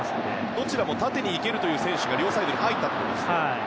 どちらも縦にいける選手が両サイドに入ったということですね。